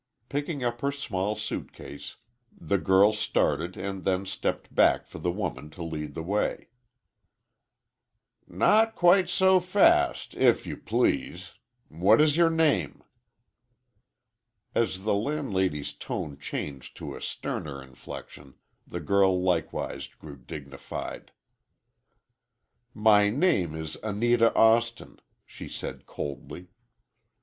Picking up her small suitcase, the girl started and then stepped back for the woman to lead the way. "Not quite so fast—if you please. What is your name?" As the landlady's tone changed to a sterner inflection, the girl likewise grew dignified. "My name is Anita Austin," she said, coldly.